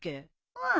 うん。